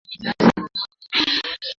Kitunguu maji Kikubwa mojakitahitajika